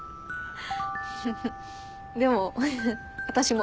でも私も。